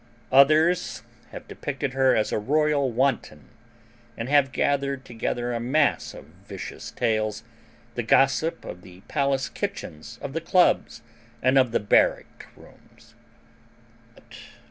Others have depicted her as a royal wanton and have gathered together a mass of vicious tales, the gossip of the palace kitchens, of the clubs, and of the barrack rooms.